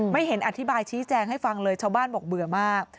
ไม่เห็นอธิบายชี้แจงให้ฟังเลยชาวบ้านบอกเบื่อมาก